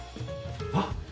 あっ。